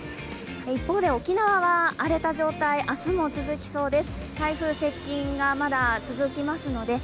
一方で、沖縄は荒れた状態、明日も続きそうです。